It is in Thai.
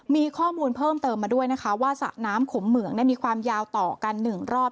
มีข้อมูลเพิ่มเติมมาด้วยนะคะว่าสระน้ำขมเหมืองมีความยาวต่อกัน๑รอบ